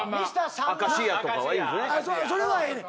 それはええねん。